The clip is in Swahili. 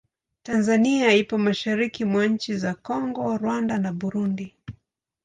Tanzania ipo mashariki mwa nchi za Kongo, Rwanda na Burundi.